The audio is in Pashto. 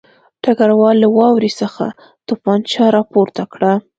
ډګروال له واورې څخه توپانچه راپورته کړه